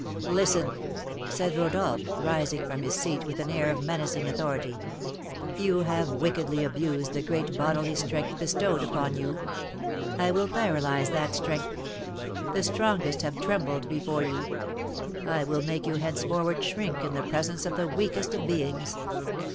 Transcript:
"Listen!" said Rodolph, rising from his seat with an air of menacing authority. "You have wickedly abused the great bodily strength bestowed upon you, I will paralyse that strength; the strongest have trembled before you, I will make you henceforward shrink in the presence of the weakest of beings.